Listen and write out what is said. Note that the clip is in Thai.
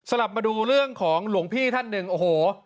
กลับมาดูเรื่องของหลวงพี่ท่านหนึ่งโอ้โห